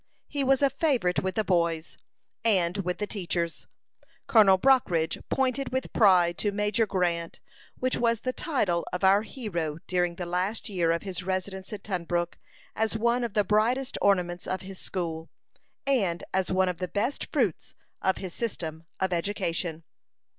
He was a favorite with the boys, and with the teachers. Colonel Brockridge pointed with pride to Major Grant which was the title of our hero during the last year of his residence at Tunbrook as one of the brightest ornaments of his school, and as one of the best fruits of his system of education.